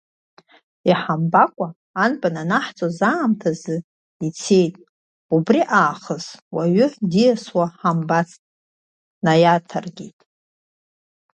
Иҳамбакәа, анбан анаҳҵоз аамҭазы ицеит, убри аахыс уаҩы диасуа ҳамбацт, наиаҭаркит.